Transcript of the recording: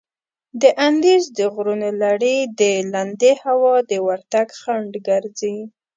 د اندیز د غرونو لړي د لندې هوا د ورتګ خنډ ګرځي.